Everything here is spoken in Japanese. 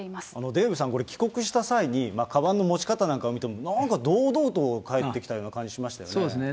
デーブさん、これ、帰国した際にかばんの持ち方なんか見ても、なんか堂々と帰ってきそうですね。